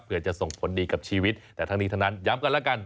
เพื่อจะส่งผลดีกับชีวิตแต่ทั้งนี้ทั้งนั้นย้ำกันแล้วกัน